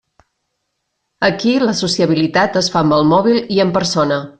Aquí la sociabilitat es fa amb el mòbil i en persona.